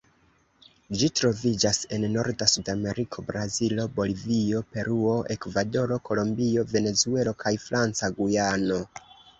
Ĝi troviĝas en norda Sudameriko: Brazilo, Bolivio, Peruo, Ekvadoro, Kolombio, Venezuelo, kaj Franca Gujano.